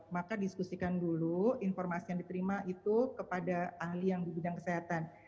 maka diskusikan dulu informasi yang diterima itu kepada ahli yang di bidang kesehatan